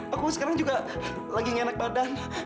aku sekarang juga lagi nyenek badan